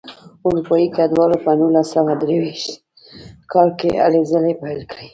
اروپایي کډوالو په نولس سوه درویشت کال کې هلې ځلې پیل کړې.